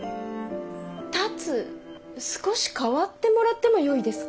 龍少し代わってもらってもよいですか？